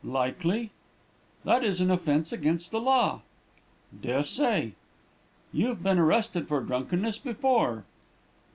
"'Likely.' "'That is an offence against the law.' "'Des'say.' "'You've been arrested for drunkenness before.'